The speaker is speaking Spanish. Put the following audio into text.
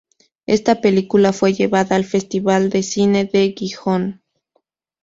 Esta película fue llevada al Festival de Cine de Gijón.